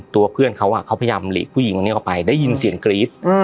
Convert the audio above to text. ตัวเพื่อนเขาเขาพยายามหลีกผู้หญิงคนนี้เข้าไปได้ยินเสียงกรี๊ด